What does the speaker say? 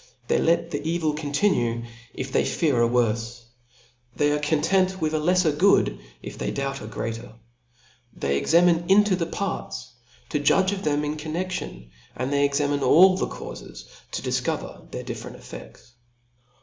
They let /the evil continue, if they The AUTHOR'S PREFACE. xxvli they fear a worfe ; tbcy arc content with a Icffcr good, if they doubt of a greater. They examine into the parts, to Judge of them in conne(^ion ; and they examine all the caufes to difcover their diflferent ciFcdts.